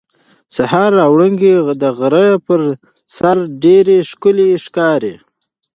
د سهار وړانګې د غره پر سر ډېرې ښکلې ښکاري.